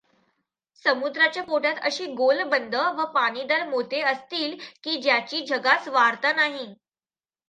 समुद्राच्या पोटात अशी गोलबंद व पाणीदार मोत्ये असतील, की ज्याची जगास वार्ता नाही.